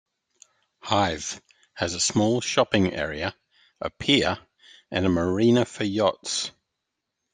Hythe has a small shopping area, a pier, and a marina for yachts.